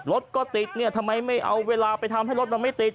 รถก็ติดเนี่ยทำไมไม่เอาเวลาไปทำให้รถมันไม่ติด